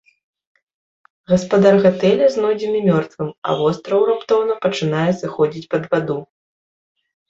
Гаспадар гатэля знойдзены мёртвым, а востраў раптоўна пачынае сыходзіць пад ваду.